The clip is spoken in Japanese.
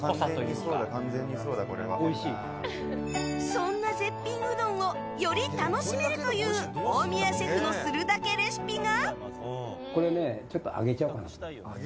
そんな絶品うどんをより楽しめるという大宮シェフのするだけレシピが。